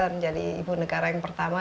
menjadi ibu negara yang pertama